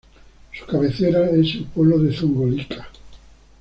Su cabecera es el pueblo de Zongolica.